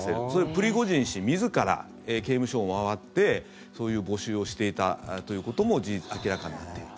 プリゴジン氏自ら刑務所を回ってそういう募集をしていたということも事実、明らかになっています。